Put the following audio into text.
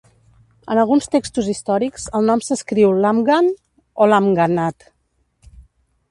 En alguns textos històrics, el nom s'escriu "Lamghan" o "Lamghanat".